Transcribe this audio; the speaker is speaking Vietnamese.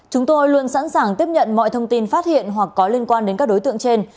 chúng tôi luôn sẵn sàng tiếp nhận mọi thông tin phát hiện hoặc có liên quan đến các đối tượng trên